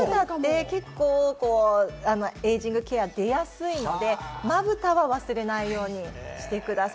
まぶたってエイジングケア出やすいので、まぶたは忘れないようにしてください。